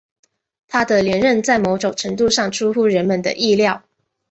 他的连任在某种程度上出乎人们的意料。